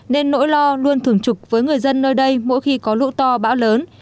nên nỗi lo luôn thường trục với người dân nơi đây mỗi khi có lũ to bão lớn